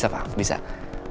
saya akan berjaga jaga